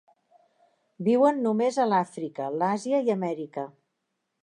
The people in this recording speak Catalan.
Viuen només a l'Àfrica, l'Àsia i Amèrica.